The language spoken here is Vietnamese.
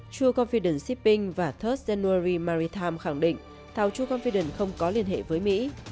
chukomfiden shipping và ba rd january maritime khẳng định tàu chukomfiden không có liên hệ với mỹ